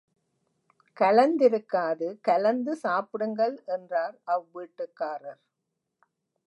கலந்திருக்காது கலந்து சாப்பிடுங்கள் என்றார் அவ்வீட்டுக்காரர்.